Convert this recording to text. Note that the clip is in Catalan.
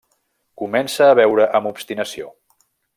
Comença a beure amb obstinació.